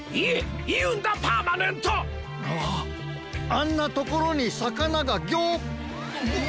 あんなところにサカナがギョッ！